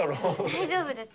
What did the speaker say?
大丈夫です。